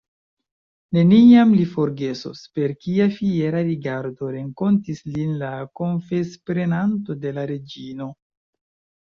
Neniam li forgesos, per kia fiera rigardo renkontis lin la konfesprenanto de la reĝino.